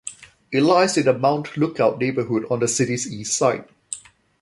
It lies in the Mount Lookout neighborhood on the city's east side.